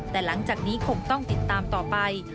แต่หลังจากนี้คงต้องติดตามต่อไป